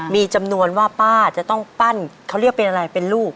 มีจำนวนว่าป้าจะต้องปั้นเขาเรียกเป็นอะไรเป็นลูก